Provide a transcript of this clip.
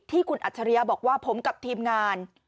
ที่คุณอัชริยะบอกว่าผมกับทีมงาน